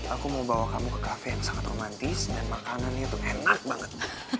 aku mau bawa kamu ke cafe yang sangat romantis dan makanan itu enak banget